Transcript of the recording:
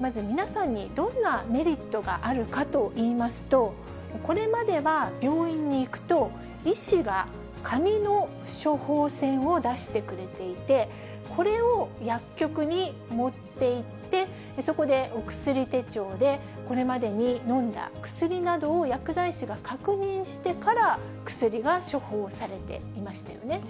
まず皆さんにどんなメリットがあるかといいますと、これまでは病院に行くと、医師が紙の処方箋を出してくれていて、これを薬局に持っていって、そこでお薬手帳でこれまでに飲んだ薬などを薬剤師が確認してから薬が処方されていましたよね。